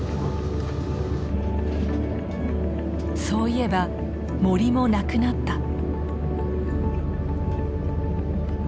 そういえば森もなくなった。